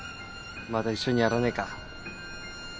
また一緒にやらねえか？